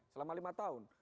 selama lima tahun